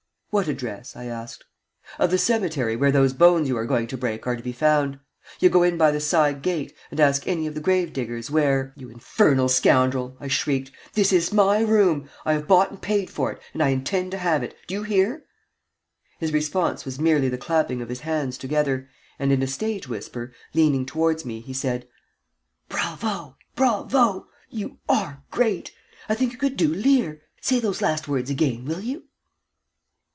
"What address?" I asked. "Of the cemetery where those bones you are going to break are to be found. You go in by the side gate, and ask any of the grave diggers where " "You infernal scoundrel!" I shrieked, "this is my room. I have bought and paid for it, and I intend to have it. Do you hear?" His response was merely the clapping of his hands together, and in a stage whisper, leaning towards me, he said: "Bravo! Bravo! You are great. I think you could do Lear. Say those last words again, will you?"